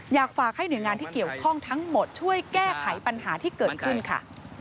อยากฝากให้หน่วยงานที่เกี่ยวข้องทั้งหมดช่วยแก้ไขปัญหาที่เกิดขึ้นค่ะ